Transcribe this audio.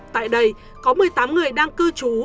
tại đây có một mươi tám người đang cư trú